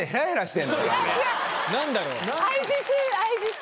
何だろう？